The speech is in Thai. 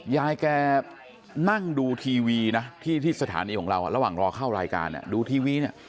ยายแกนั่งดูทีวีนะที่สถานีของเราระหว่างรอเข้ารายการดูทีวีเนี่ย